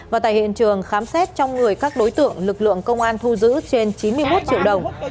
và tại hiện trường khám xét trong người các đối tượng lực lượng công an thu giữ trên chín mươi một triệu đồng